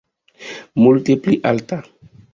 Multe pli alta.